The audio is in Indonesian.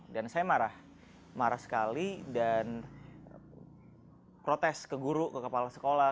dan saya marah marah sekali dan protes ke guru ke kepala sekolah